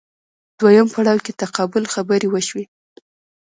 دویم پړاو کې تقابل خبرې وشوې